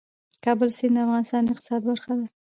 د کابل سیند د افغانستان د اقتصاد برخه ده.